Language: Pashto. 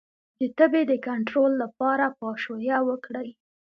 د تبې د کنټرول لپاره پاشویه وکړئ